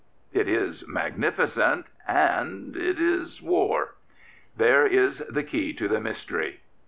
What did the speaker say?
It is magnificent and — it is war. There is the key to the mystery.